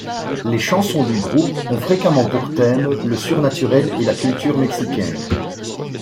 Les chansons du groupe ont fréquemment pour thèmes le surnaturel et la culture mexicaine.